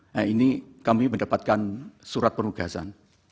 nah ini kami mendapatkan surat penugasan